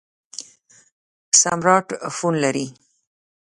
سمارټ فون لرئ؟